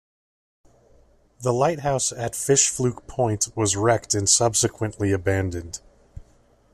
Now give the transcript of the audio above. The lighthouse at Fish Fluke Point was wrecked and subsequently abandoned.